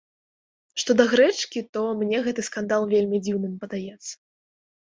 Што да грэчкі, то мне гэты скандал вельмі дзіўным падаецца.